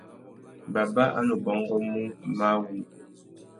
Baba a nu bôngômú máh wŭndú.